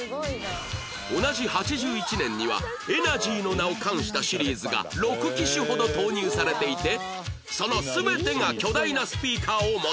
同じ８１年にはエナジーの名を冠したシリーズが６機種ほど投入されていてその全てが巨大なスピーカーを持つ